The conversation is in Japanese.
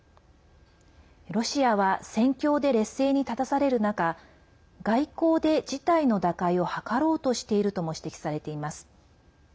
ロシアは戦況で劣勢に立たされる中外交で、事態の打開を図ろうとしているとも指摘されています。